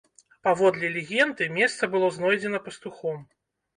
Паводле легенды, месца было знойдзена пастухом.